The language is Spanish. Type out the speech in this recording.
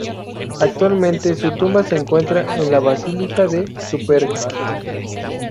Actualmente, su tumba se encuentra en la Basílica de Superga.